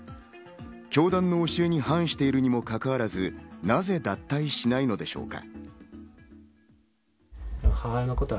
教団の教えに反しているにもかかわらず、なぜ脱退しないのでしょうか。